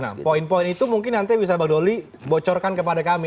nah poin poin itu mungkin nanti bisa bang doli bocorkan kepada kami